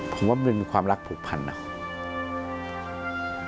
ผมว่ามีความรักผูกพันธุ์นะฮะ